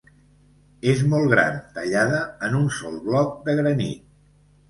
És molt gran, tallada en un sol bloc de granit.